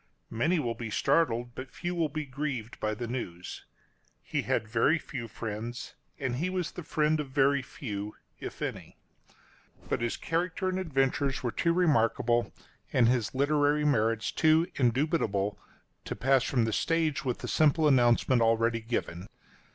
Many will be startled, but few will be grieved by the news. He had very few friends, and he was the friend of very few — if any. But his character and adventures were too remarkable, and his literary merits too indubitable, to pass from the stage with the simple announcement already given.